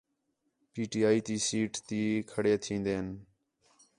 پی ٹی آئی تی سیٹ تے کھڑے تھین٘دِن